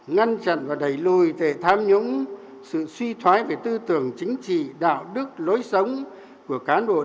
ngăn chặn và đẩy lùi tệ tham nhũng sự suy thoái về tư tưởng chính trị đạo đức lối sống của cán bộ đảng